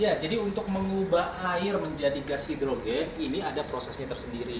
ya jadi untuk mengubah air menjadi gas hidrogen ini ada prosesnya tersendiri